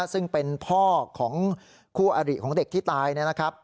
ซึ่งเป็นพ่อของคู่อริของเด็กที่ตายนะครับ